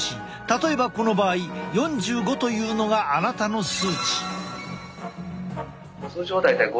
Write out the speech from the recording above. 例えばこの場合４５というのがあなたの数値。